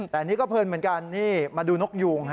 แต่นี่ก็เพลินเหมือนกันนี่มาดูนกยูง